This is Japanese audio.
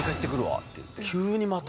急にまた。